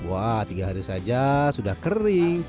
wah tiga hari saja sudah kering